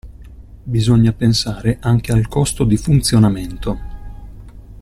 Bisogna pensare anche al costo di funzionamento.